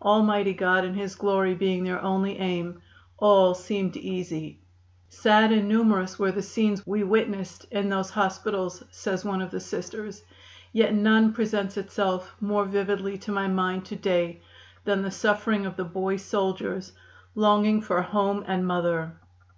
Almighty God and His glory being their only aim, all seemed easy. "Sad and numerous were the scenes we witnessed in those hospitals," says one of the Sisters, "yet none presents itself more vividly to my mind to day than the suffering of the boy soldiers longing for home and mother.